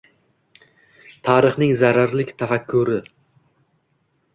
Tarixning zararlik takarruri